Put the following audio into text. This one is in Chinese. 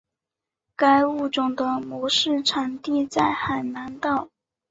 该物种的模式产地在海南岛。